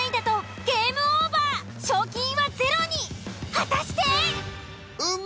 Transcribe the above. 果たして！？